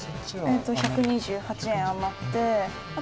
えっと１２８円余って。